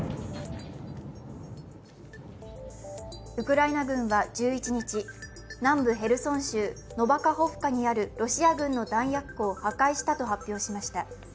ウクライナ軍は１１日、南部ヘルソン州ノバカホフカにあるロシア軍の弾薬庫を破壊したと発表しました。